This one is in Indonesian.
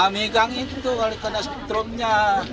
migang itu kena setrumnya